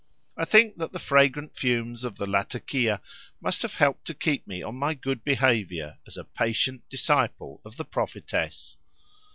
I think that the fragrant fumes of the latakiah must have helped to keep me on my good behaviour as a patient disciple of the prophetess.